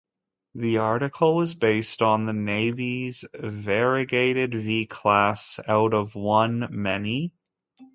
This article was based on The Navy's Variegated V-Class: Out of One, Many?